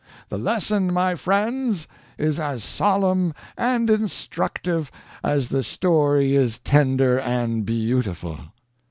The lesson, my friends, is as solemn and instructive as the story is tender and beautiful.'